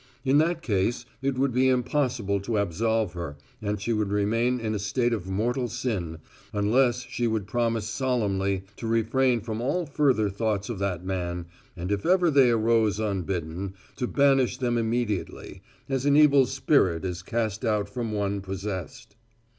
In that case it would be impossible to absolve her and she would remain in a state of mortal sin unless she would promise solemnly to refrain from all further thoughts of that man, and if ever they arose unbidden to banish them immediately, as an evil spirit is cast out from one possessed.